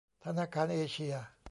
ธนาคารเอเชีย